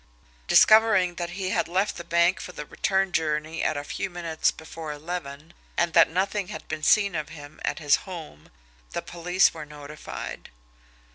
Discovering that he had left the bank for the return journey at a few minutes before eleven, and that nothing had been seen of him at his home, the police were notified.